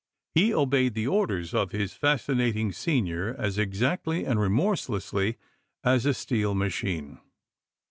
He obeyed the orders of his fascinating senior as exactly and remorselessly as a steel machine.